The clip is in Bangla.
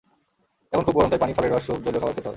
এখন খুব গরম, তাই পানি, ফলের রস, সুপ, জলীয় খাবার খেতে হবে।